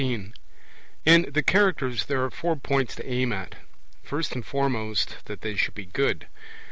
15 In the Characters there are four points to aim at. First and foremost, that they shall be good.